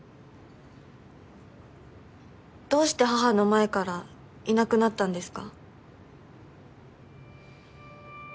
どうして母の前からいなくなったんですか？